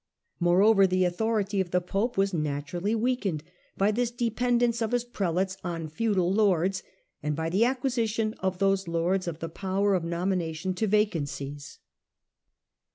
Moreover, the authority of the Pope was naturally weakened by this dependence of his prelates on feudal lords and by the acquisition of those lords of the power of nomination to vacancies.